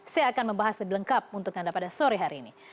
saya akan membahas lebih lengkap untuk anda pada sore hari ini